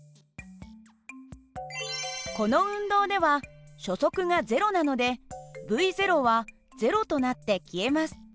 この運動では初速が０なのでυは０となって消えます。